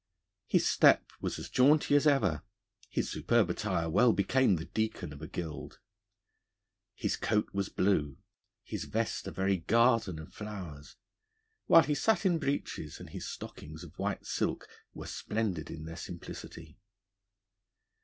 His step was jaunty as ever; his superb attire well became the Deacon of a Guild. His coat was blue, his vest a very garden of flowers; while his satin breeches and his stockings of white silk were splendid in their simplicity.